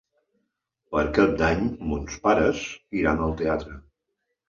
Per Cap d'Any mons pares iran al teatre.